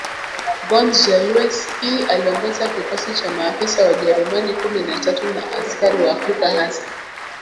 von Zelewski aliongoza kikosi cha maafisa Wajerumani kumi na tatu na askari Waafrika hasa